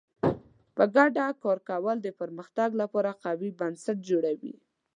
په ګډه کار کول د پرمختګ لپاره قوي بنسټ جوړوي.